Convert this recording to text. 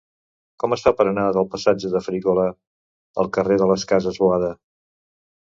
Com es fa per anar del passatge de Frígola al carrer de les Cases Boada?